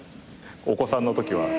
お子さんのときは。